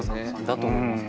だと思います